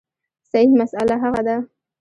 صحیح مسأله هغه ده